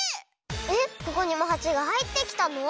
えっここにもハチがはいってきたの？